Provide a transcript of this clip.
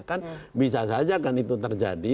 kan bisa saja kan itu terjadi